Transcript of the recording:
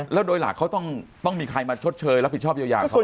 แล้วโดยหลักเขาต้องมีใครมาชดเชยรับผิดชอบเยียวยาเขา